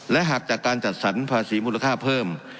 และหากจากการจัดสรรภาษีมูลค่าเพิ่ม